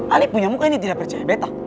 ale punya muka ini tidak percaya betta